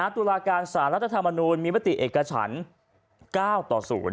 ตุลาการสารรัฐธรรมนูลมีมติเอกฉัน๙ต่อ๐